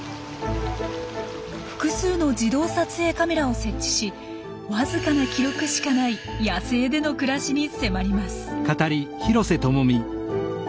複数の自動撮影カメラを設置しわずかな記録しかない野生での暮らしに迫ります。